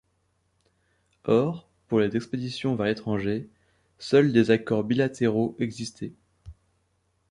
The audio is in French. Or, pour les expéditions vers l'étranger, seuls des accords bilatéraux existaient.